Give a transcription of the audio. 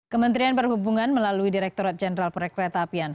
kementerian perhubungan melalui direkturat jenderal perkereta apian